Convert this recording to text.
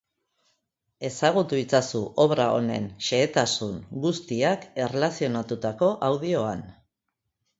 Ezagutu itzazu obra honen xehetasun guztiak erlazionatutako audioan!